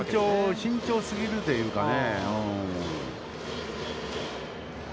慎重過ぎるというかね。